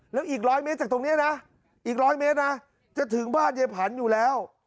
แล้วอีก๑๐๐เมตรจากตรงนี้นะอีกร้อยเมตรนะจะถึงบ้านยายผันอยู่แล้ว